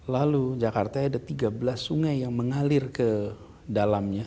lalu jakarta ada tiga belas sungai yang mengalir ke dalamnya